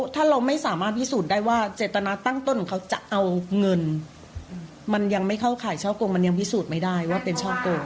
ถ้าเราไม่สามารถพิสูจน์ได้ว่าเจตนาตั้งต้นของเขาจะเอาเงินมันยังไม่เข้าข่ายช่อกงมันยังพิสูจน์ไม่ได้ว่าเป็นช่อโกง